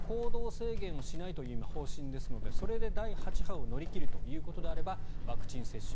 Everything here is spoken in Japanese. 今、行動制限をしないという方針ですのでそれで第８波を乗り切るならワクチン接種。